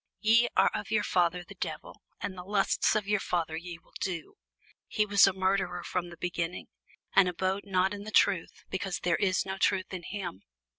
Ye are of your father the devil, and the lusts of your father ye will do. He was a murderer from the beginning, and abode not in the truth, because there is no truth in him.